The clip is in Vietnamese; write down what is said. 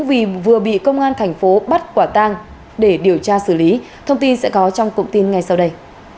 vì vừa bị công an thành phố bắt quả tang để điều tra xử lý thông tin sẽ có trong cụm tin ngay sau đây